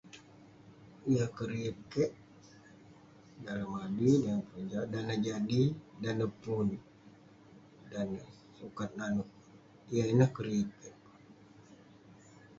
Yah keriyet kek dalem adui, dalem keroja ; dan neh jadi, dan neh pun, dan neh sukat nanouk. Yah ineh keriyet kek.